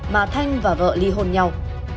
mà thành và vợ ly hôn nhau